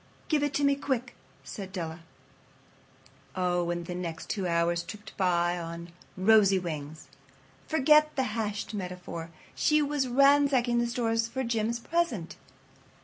"Give it to me quick," said Della. Oh, and the next two hours tripped by on rosy wings. Forget the hashed metaphor. She was ransacking the stores for Jim's present.